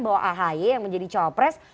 bahwa ahi yang menjadi cawa pres